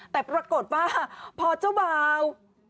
แต่ปรากฏว่าพอเจ้าบ่าว